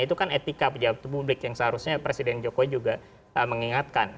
itu kan etika pejabat publik yang seharusnya presiden jokowi juga mengingatkan